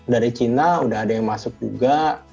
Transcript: dari cina udah ada yang masuk juga